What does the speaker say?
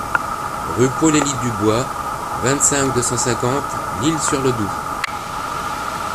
Rue Paul Elie Dubois, vingt-cinq, deux cent cinquante L'Isle-sur-le-Doubs